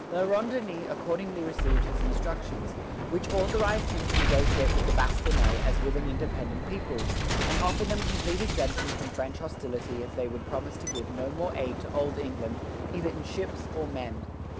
La Ronde Denys accordingly received his instructions, which authorized him to negotiate with the "Bastonnais" as with an independent people, and offer them complete exemption from French hostility if they would promise to give no more aid to Old England either in ships or men.